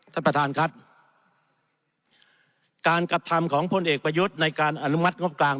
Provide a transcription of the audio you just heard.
ท่านประธานครับการกระทำของพลเอกประยุทธ์ในการอนุมัติงบกลาง